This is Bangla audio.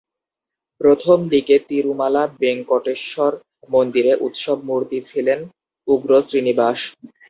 প্রথম দিকে তিরুমালা বেঙ্কটেশ্বর মন্দিরে ‘উৎসব মূর্তি’ ছিলেন উগ্র শ্রীনিবাস।